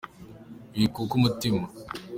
Wikuka umutima.